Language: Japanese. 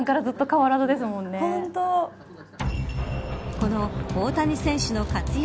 この大谷選手の活躍